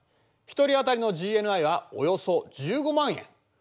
１人あたりのＧＮＩはおよそ１５万円。